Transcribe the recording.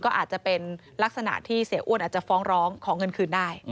ก็อาจจะเป็นลักษณะที่เสียอ้วนอาจจะฟ้องร้องขอเงินคืนได้